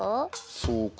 そうか。